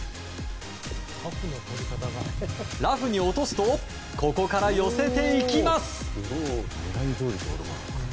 ラフに落とすとここから寄せていきます。